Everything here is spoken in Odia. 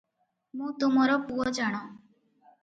ମୁଁ ତୁମର ପୁଅ ଜାଣ ।